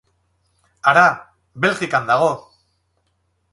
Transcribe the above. Hara, Belgikan dago!